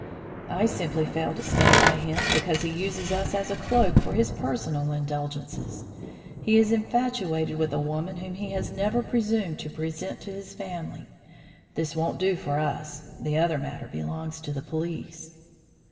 I simply fail to stand by him because he uses us as a cloak for his personal indulgences. He is infatuated with a woman whom he has never presumed to present to his family. This won't do for us. The other matter belongs to the police."